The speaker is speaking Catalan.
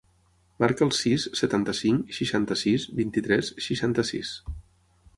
Marca el sis, setanta-cinc, seixanta-sis, vint-i-tres, seixanta-sis.